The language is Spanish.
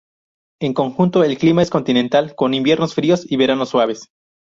En conjunto el clima es continental con inviernos fríos y veranos suaves.